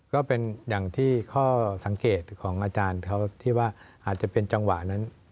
ก็เป็นอย่างที่ข้อสังเกตของอาจารย์เขาที่ว่าอาจจะเป็นจังหวะนั้น